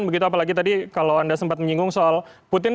begitu apalagi tadi kalau anda sempat menyinggung soal putin